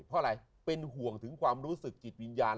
เพราะอะไรเป็นห่วงถึงความรู้สึกจิตวิญญาณ